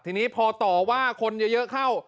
ทีนี้พอต่อว่าคนเยอะเข้า